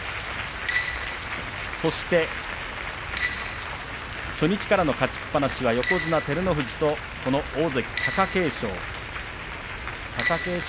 そして初日からの勝ちっぱなしが横綱照ノ富士と、この大関貴景勝。